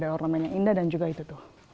ornamennya indah dan juga itu tuh